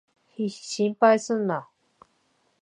心配すんな。